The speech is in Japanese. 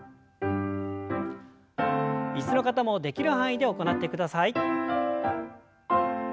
椅子の方もできる範囲で行ってください。